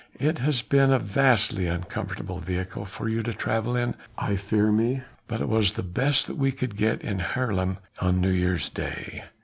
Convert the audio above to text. It has been a vastly uncomfortable vehicle for you to travel in, I fear me, but it was the best that we could get in Haarlem on New Year's day.